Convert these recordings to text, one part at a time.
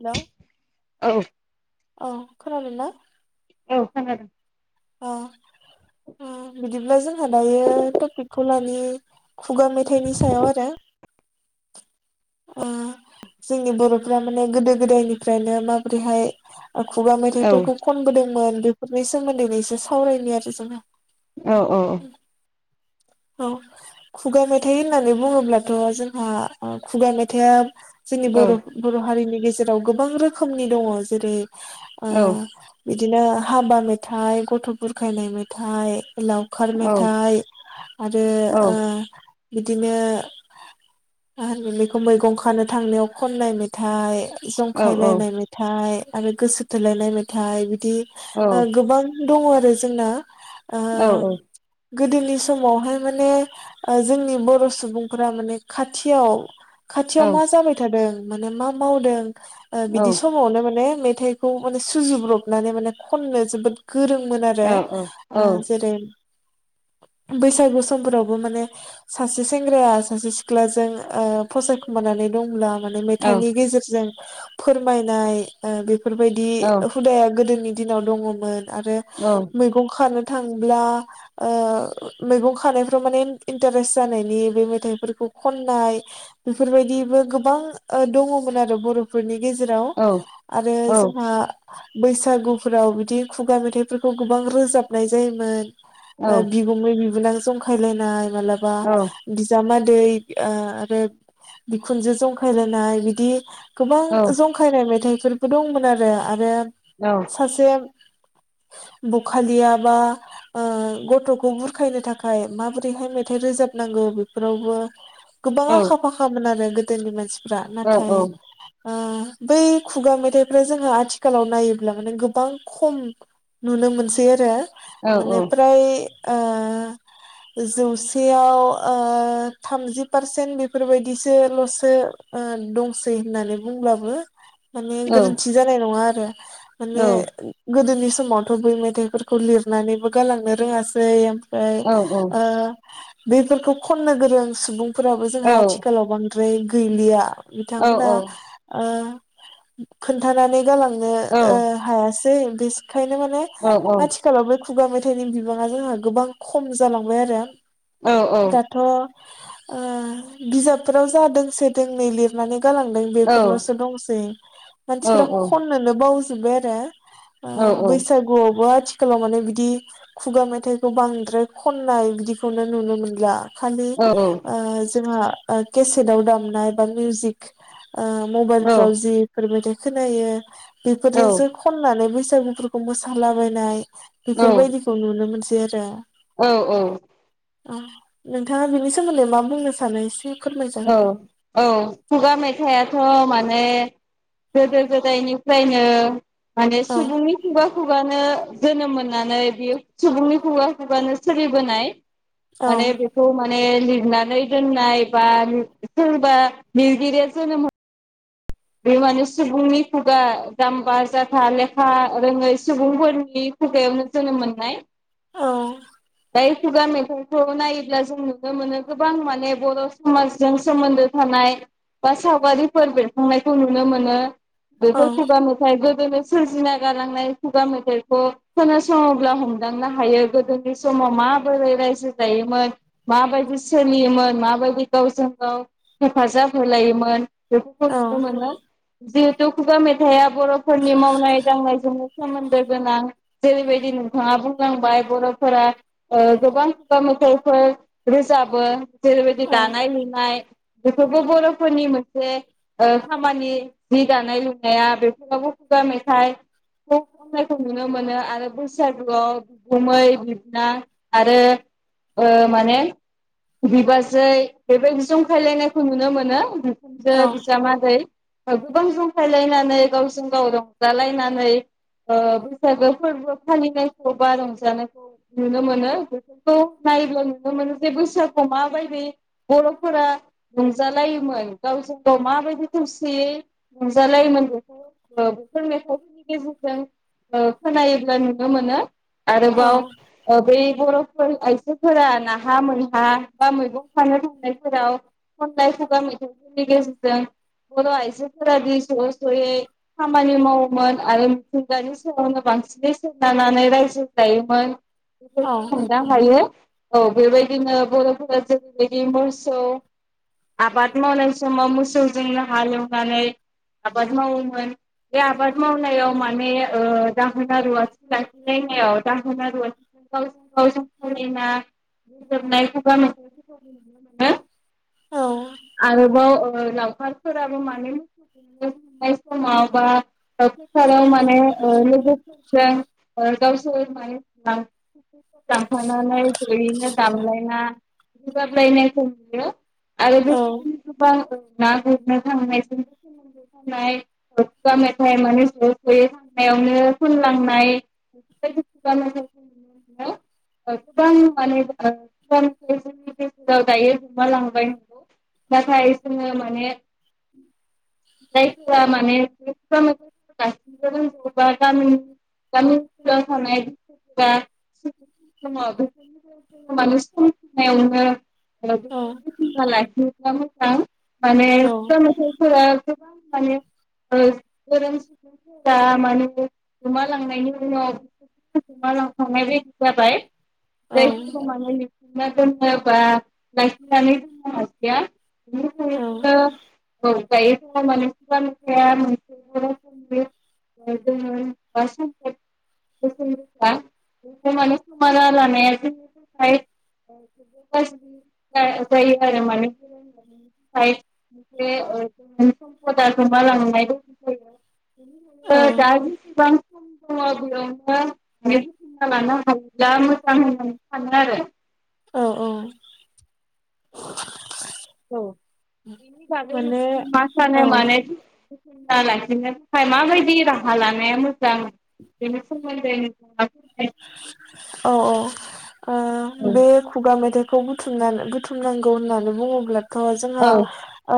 Hello औ औ खोनादोंना? औ खोनादों। अ अ बिदिब्ला जोंहा दायो टपिकखौ लानि खुगा मेथाइनि सायाव आरो ओ जोंनि बरफ्रा माने गोदो गोदायनिफ्रायनो माबोरैहाय खुगा मेथाइफोरखौ खनबोदोंमोन। बेफोरनि सोमोन्दै सावरायनाय आरो जोङो। औ औ औ खुगा मेथाइ होननानै बुङोब्लाथ' जोंहा खुगा आ मेथाइआ जोंनि बर' बर' हारिनि गेजेराव गोबां रोखोमनि दङ जेरै ओ बिदि बिदिनो हाबा मेथाइ गथ बुरखायलाय मेथाय लावखार मेथाइ आरो ओ बिदिनो मा होनो मैगं खानो थांनायाव खननाय मेथाइ जंखायलायनाय मेथाइ आरो गोसो थोलायनाय मेथाइ बिदि ओ गोबां दङ आरो जोंना ओ औ औ गोदोनि समावहाय माने ओ जोंनि बर' सुबुंफोरा माने खाथियाव खाथियाव मा जाबाय थादों माने मा माउदों ओ बिदि समावनो माने मेथाइखौ माने सुजुब्रबनानै माने खननो जोबोद गोरोंमोन आरो ओ जेरै बैसागु समफोरावबो माने सासे सेंग्राया सासे सिख्लाजों ओ फसायखुमानानै दंब्ला माने मेथाइनि गेजेरजों फोरमायनाय ओ बे बेफोरबायदि हुदाया गोदोनि दिनाव दङमोन आरो मैगं खान थांब्ला ओ मैगं खानायफ्राव माने इन्टारेस्ट जानायनि बे मेथाइफोरखौ खननाय बेफोरबायदिबो गोबां ओ दङमोन आरो बरफोरनि गेजेराव आरो जोंहा बैसागुफोराव बिदि खुगा मेथाइफोरखौ गोबां रोजाबनाय जायोमोन आरो बिगुमै बि बिनां जंखायलायनाय मालाबा बिजामाद दै ओ आरो बिखुनजो जंखायलायनाय बिदि गोबां जंखायनाय मेथाइ बिसोरबो दंमोन आरो आरो सासे बुखालिया बा ओ गथखौ बुरखायनो थाखाय माबोरैहाय मेथाइ रोजाबनांगौ बेफोरावबो गोबां आखा फाखामोन आरो दोनि मानसिफ्रा फोरा नाथाय ओ बै खुगा मेथाइफ्रा जोंहा आथिखालाव नायोब्ला माने गोबां खम नुनो मोनसै आरो माने प्राय ओ जौसेयाव ओ थामजि पारसेन्ट बेफोरबायदिसोल'सो ओ दंसै होननानै बुंब्लाबो माने गोरोन्थि जानाय नङा आरो माने गोदोनि बे समावथ' बै मेथाइफोरखौ लिरनानैबो गालांनो रोङासै फाय ओ बेफोरखौ खननो गोरों सुबुं फोराबो जोंहा आथिखालाव बांद्राय गैलिया बिथांमोना ओ खोनथानानै गालां नो ओ हायासै [unintelligible] ओंखायनो माने आथिखालावबो खुगा मेथाइनि बिबाङा जोंहा गोबां खम जालांबाय आरो दाथ' ओ बिजाबफोराव जादोंसो दोंनै लिरनानै गालांदों बेफोरल'सो दंसै मानसि खनोनो बाव बाय आरो बैसागुआवबो आथि आथिखालाव माने बिदि खुगा मेथाइखौ बांद्राय खननाय बिदिखौनो नुनो मोनला खालि जोंहा केसेटव दामनाय बा मिउजिक ओ मबाइलफ्राव जि बेफोरबायदि खोनायो बेफोरजोंसो खननानै बैसा सुबुंफोरखौ मोसालाबायनाय बेफोरबायदिखौ नुनो मोनसै जोरो औ औ अ नोंथाङा बिनि सोमोनदै मा बुंनो सानो एसे? औ फोरमायजागोन दे औ खुगा मेथाइआथ' माने गोदो गोदायनिफ्रायनो माने औ सुबुंनि खुगा खुगानो जोनोम मोननानै बियो सुबुंनि खुगा खुगानो सोलिबोनाय। औ माने बेखौ मा ने लिरनानै दोननाय बा लिर सोरबा लिरगिरिया जोनोम बे माने सुबुंनि खुगा जाम्बा जाथा लेखा रोङै सुबुंफोरनि खुगायावनो जोनोम मोननाय औ बे खुगा मेथाइखौ नायोब्ला जों नुनो मोनो गोबां माने बर' समाजजों सोमोनदो थानाय बा सावगारिफोर बे नायखौ नुनो मोनो औ बेथ' खुगा मेथाइ गो गोदो सोरजिना गालांनाय खुगा मेथाइखौ खोनासङोब्ला हमदांनो हायो गोदोनि समाव माबोरै रायजो जायोमोन माबायदि सोलियोमोन माबायदि गावजों गाव हेफाजाब होलायोमोन। औ [unintelligible] मोना जि खुगा मेथाया बर'फोरनि मावनाय दांनाय जोंनो सोमोन्दो गोनां जेरैबायदि नोंथाङा बुंलांबाय बर'फोरा ओ गोबां खुगा मेथफोर रोजाबो जेरैबायदि औ दानाय लुनाय। बेफोरबो बर'फोरनि मोनसे ओ खामानि जि दानाय लुनाया बेफोरावबो खुगा मेथाइ खो खनायखौ नुनो मोनो आरो बैसागुआव बिगुमै बिबोनां आरो ओ माने बिबाजै बेबायदि जंखायलायनायखौ नुनो मोनो। औ जे गोबां जखायलायनानै गावजों गाव रंजालायनानै ओ बैसागो फोरबो फालिनायखौ बा रंजानायखौ नुनो मोनो बेफोरखौ नायोब्ला नुनो मोनो जे बैसागु माबायदि बर'फोरा रंजालायोमोन गावजों गाव माबायदि खौसेयै नुजालायोमोन बेखौ बेफोर मेथाइफोरनि गेजेरजों ओ खोनायोब्ला नुनो मोनो। औ आरोबाव अ बै बर' फोर आइजोफोरा नाहा मैहा बा मैगं खानो थांनायफोराव खननाय खुगा मैथाइफोरनि गेजेरजों जों बर' आइजोफोरादि ज' ज'यै खामानि मावोमोन आरो मिथिंगानि सायावनो बांसिनै सोनारनानै रायजो जायोमोन औ बेफोरखौ हमदां हायो। औ बेबायदिनो बर'फोरा जेरैबायदि मोसौ आबाद मावनाय समाव मो सौजोंनो हालएवनानै आबाद मावोमोन बे आबाद मावनायाव माने ओ दाहोना रुवाथि लाखिनायाव दाहोना रुवाथिजों गावजों गाव जंखायलायना रोजोबनाय खुगा मेथाइफोरखौ नुनो मोनो। औ आरोबाव अ लावखारफोराबो माने मोसौ गोमनो थांनाय समाव बा अ फैफानायाव माने अ लोगोफोरजों अ गावसोर माने [unintelligible] दामलायना बिदि रोजाबलायनायखौ नुयो। [unintelligible] ना गुरनो थांनाय समाव सोमोनदो थानाय खुगा मेथाइ माने ज' जयै थांनायावनो खनलांनाय बेफोर बादि खुगा मेथखौ नुनो मोनो गोबां माने जोंनि गेजेराव दायो गोमालांबाय नंगौ। नाथाय जोङो माने जायफोरा माने म गाबोबा ग गामि ओनसोलाव थानायफोरा दङ बेफोरनि जोङो मान सम समावनो [unintelligible] [unintelligible] माने [unintelligible] गोबां माने गोरों सुबुंफोरा माने गोमालांनायनि उनाव गोमालांखांनाय बायदि जाबाय [unintelligible] [unintelligible] [unintelligible] औ [unintelligible] [unintelligible] थाखाय मोनसे ज समपदा गोमालांनाय बदि जायो बेनिखायनो औ दा जसेबां सम दङ बेयावनो मेथना लानो हायोब्ला मोजां होननानै सानो आरो औ औ औ बेनि माने मा औ सानो माने सना लाखिनो थाखाय माबायदि राहा लानाया मोजांमोन बेनि सोमोन्दै नोंथाङ [unintelligible] औ औ ओ बे औ खुगा मेथाइ खौ बुथुमनानै बुथुमनांगौ होननानै बुङोब्ला थ' जोंहा औ ओ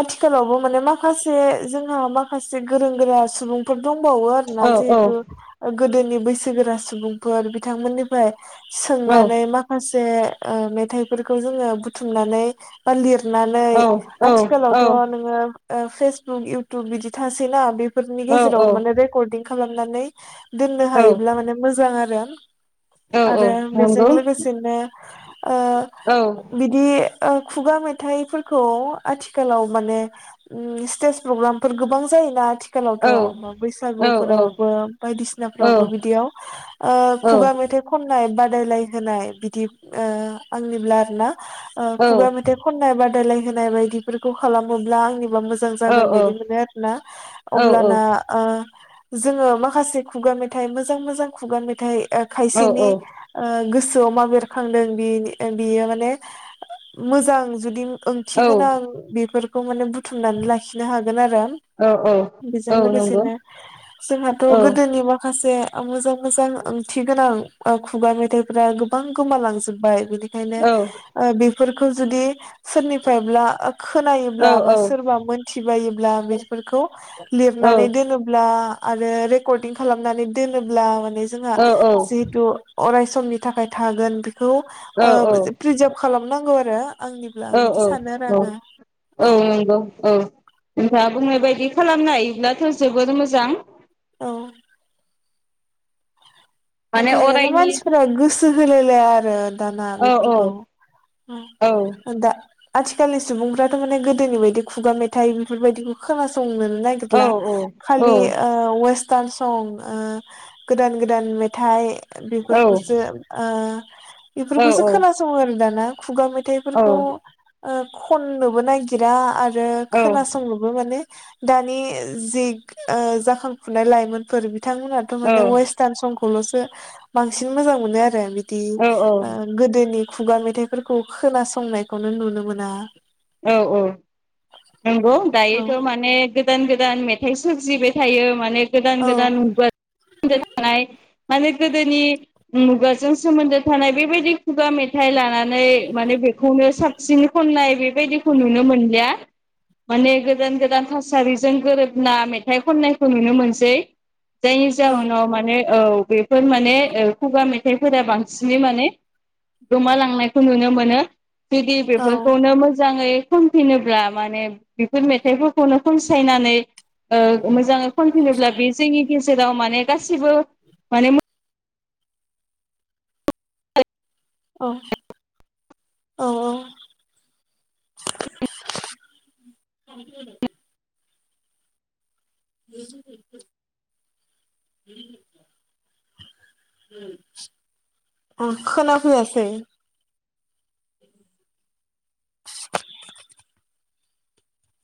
आथिखालावबो माने माखासे जोंहा माखासे गोरों गोरा सुबुंफोर दंबावो आरोना औ औ जिहेथु गोदोनि [unintelligible] सि गोरा सुबुंफोर बिथांमोननिफ्राय औ सोंनानै माखासे ओ मेथाइफोरखौ जोङो बुथुमनानै बा लिर सनानै औ आथिखालावथ' नोङो ओ फेसबुक इउटुब बिदि थासैना बे नि गेजेराव औ माने रेकर खालामनानै दोननो औ हायो अब्ला माने मोजां आरो औ [inaudible] आरो औ बेजों नंगौ लोगोसेनो ओ औ बिदि ओ खुगा मेथाइफोरखौ आथिखालाव माने उम स्टेज प्रग्रामफोर गोबां जायोना आथि औ आथिखालावथ' औ औ बैसागुफोरावबो औ बायदिसिनाफोरावबो बिदि बेयाव ओ औ खुगा मेथाइ खननाय बाद बादायलायहोनाय बिदि ओ आंनिब्ला आरो ना ओ खुगा मेथाइ खन्नाय बादायलायनाय होनाय बायदिफोरखौ खालामोब्ला आंनि मोजां औ जागोन औ बायदि मोनो आरोना नंगौ औ अब्लाना ओ जोङो माखासे खुगा मेथाइ मोजां मोजां मोजां खुगा मेथाइ खायसेनि ओ गोसो गोसोआव मा बेरखांदों बे बेयो माने मोजां जुदि औ ओंथिगोनां बेफोर खौ माने बुथुमनानै लाखिनो हागोन आरो औ औ बेजों लोगोसेनो नंगौ जोंहाथ' गोदोनि माखासे मोजां मोजां ओंथि गोनां ओ खुगा मेथाइफोरा गोबां गोमालांजोबबाय बिदि यनो फोरफोरखौ जुदि सोरनिफ्रायब्ला खोनायोब्ला बा सोरबा मोनथिबायोब्ला बेफोरखौ लिरनानै दोनोब्ला आरो रेकर्डिं खालामनानै दोनोब्ला जोंहा जिहेथु अरायस ख [unintelligible] थाखाय थागोन बेखौ ओ प्रिजार्भ खालामनांगौ आरो [unintelligible] औ बिदि औ सानो आरो औ आङो औ नंगौ औ नोंथाङा बुंनाय बायदि बिदि खालामनो हायोब्लाथ' जोबोर मोजां औ नाथाय माने मानसिफोरा गोसो होलायलाया आरो [unintelligible] दाना औ बेफोरखौ औ दा आथिखालनि सुबुंफ्राथ' माने गोदोनि बायदि खुगा मेथाइ बेफोरबायदिखौ खोनासंनोनो औ नागेरला खालि ओ वेस सं ओ गोदान गोदान मे थाय औ बेफोरखौसो ओ बेफोरखौसो औ खोनासङो आरो दाना खुगा मेथ औ देफोरखौ ओ खननोबो नागिरा आरो आरो औ खोनासंनोबो माने दानि जि ओ जाखांफुनाय लाइमोनफोर बिथांमोनाथ' माने वेसथान सं खौल'सो बांसिन मोजां मोनो आरो दि औ ओ औ गोदोनि खुगा मेथाइफोरखौ खोनासंनायखौनो नुनो मोना औ औ नंगौ औ दायोथ' माने गोदान गोदान मेथाइ सोरजिबाय थायो माने गोदान औ गोदान मुगा [inaudible] थानाय माने गोदोनि मुगाजों सोमोन्दो थानाय बेबायदि खुगा मेथाइ लानानै माने बेखौनो साबसिन खननाय बे बेबायदिखौ नुनो मोनलिया माने गोदान गोदान थासारिजों गोरोबना मेथाइ खननायखौ नुनो मोनसै जायनि औ जाहोनाव माने औ बेफोर माने ओ खुगा मेथाइफोरा बांसिनै माने गोमालांनायखौ नुनो मोनो बिदि औ बेफोरखौनो मोजाङै खनफिनोब्ला माने बेफोर मेथाइफोरखौनो खनसायनानै ओ मोजांङै खनफिनोब्ला बे जोंनि गेजेर जेराव माने गासिबो माने मो औ औ औ अ खोनाफैयासै